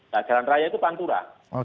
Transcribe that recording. nah jalan raya itu pantura